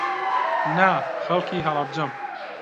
نا، خەڵکی هەڵەبجەم.